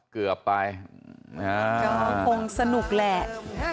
คงสนุกแหละ